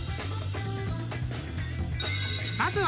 ［まずは］